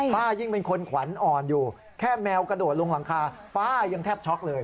ป้ายิ่งเป็นคนขวัญอ่อนอยู่แค่แมวกระโดดลงหลังคาป้ายังแทบช็อกเลย